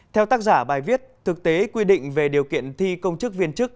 theo tác giả bài viết thực tế quy định về điều kiện thi công chức viên chức